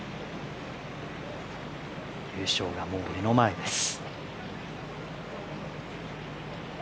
優勝がもう目の前です。